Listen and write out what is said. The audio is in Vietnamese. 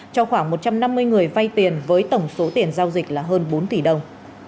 cho khoảng một trăm năm mươi người vay tiền với tổng số tiền giao dịch là hơn bốn tỷ đồng